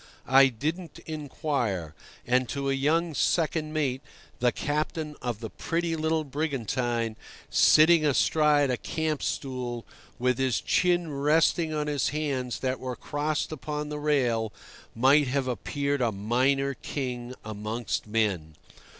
I didn't inquire, and to a young second mate the captain of the little pretty brigantine, sitting astride a camp stool with his chin resting on his hands that were crossed upon the rail, might have appeared a minor king amongst men.